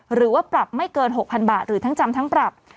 หรือว่าปรับไม่เกิน๖๐๐๐บาทหรือทั้งจำทั้งปรับ